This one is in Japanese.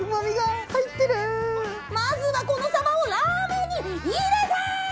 泙困このサバをラーメンに入れた！